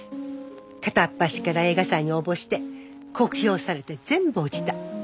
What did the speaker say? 片っ端から映画祭に応募して酷評されて全部落ちた。